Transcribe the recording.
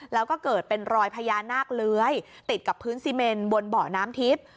แล้วก็เกิดเป็นรอยพญานาคเลื้อยติดกับพื้นซีเมนบนเบาะน้ำทิพย์